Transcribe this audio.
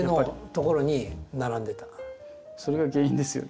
それが原因ですよね。